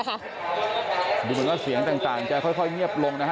ดูเหมือนว่าเสียงต่างจะค่อยเงียบลงนะฮะ